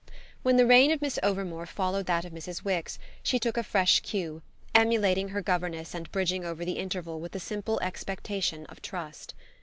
When the reign of Miss Overmore followed that of Mrs. Wix she took a fresh cue, emulating her governess and bridging over the interval with the simple expectation of trust.